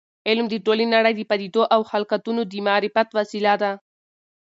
علم د ټولې نړۍ د پدیدو او خلقتونو د معرفت وسیله ده.